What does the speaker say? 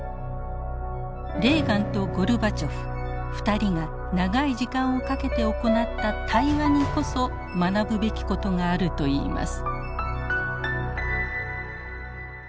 レーガンとゴルバチョフ２人が長い時間をかけて行った対話にこそ学ぶべきことがあるといいます。